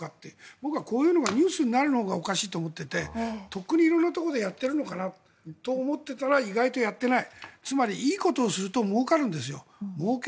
僕はこういうのがニュースになるのがおかしいなと思っていてとっくに色んなところでやっているのかなと思っていたら意外とやってない。